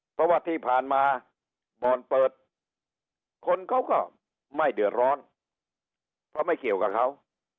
เพราะว่าที่ผ่านมาบ่อนเปิดคนเขาก็ไม่เดือดร้อนเพราะไม่เกี่ยวกับเขา